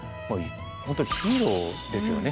本当にヒーローですよね。